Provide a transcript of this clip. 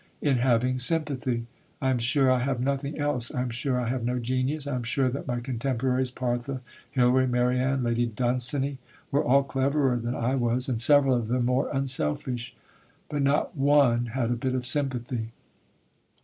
In having sympathy. I am sure I have nothing else. I am sure I have no genius. I am sure that my contemporaries, Parthe, Hilary, Marianne, Lady Dunsany, were all cleverer than I was, and several of them more unselfish. But not one had a bit of sympathy.